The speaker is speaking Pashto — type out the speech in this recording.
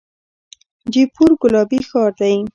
جیپور ګلابي ښار دی.